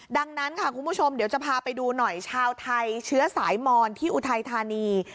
ดังนั้นค่ะคุณผู้ชมเดี๋ยวจะพาไปดูหน่อยชาวไทยเชื้อสายมอนที่อุทัยธานี